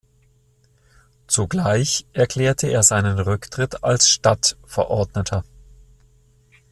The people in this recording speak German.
Zugleich erklärte er seinen Rücktritt als Stadtverordneter.